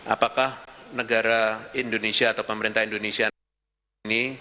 apakah negara indonesia atau pemerintah indonesia ini